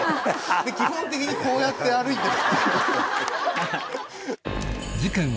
基本的にこうやって歩いて。